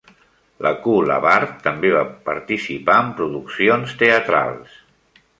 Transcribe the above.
Lacoue-Labarthe també va participar en produccions teatrals.